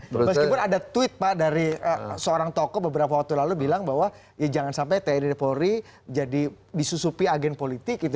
meskipun ada tweet dari seorang tokoh beberapa waktu lalu bilang bahwa jangan sampai tni dan polri disusupi agen politik